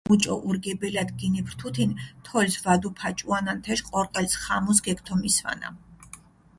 მუჭო ურგებელათ გინიფრთუთინ, თოლს ვადუფაჭუანან თეშ, ყორყელს ხამუს ქეგთომისვანა.